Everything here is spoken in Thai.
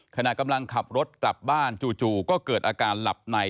ขณะกำลังขับรถกลับบ้านจู่ก็เกิดอาการหลับใน